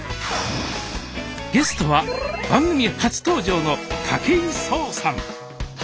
ゲストは番組初登場の武井壮さん。